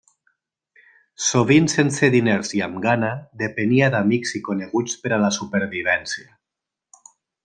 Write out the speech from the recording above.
Sovint sense diners i amb gana, depenia d'amics i coneguts per a la supervivència.